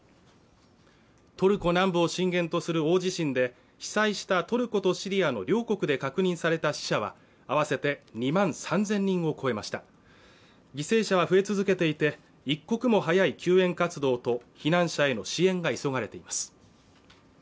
トルコ南部を震源とする大地震で被災したトルコとシリアの両国で確認された死者は合わせて２万３０００人を超えました犠牲者は増え続けていて一刻も早い救援活動と避難者への支援が急がれています